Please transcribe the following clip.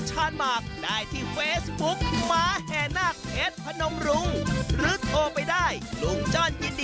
เจ็บไว้คนเดียวได้ไง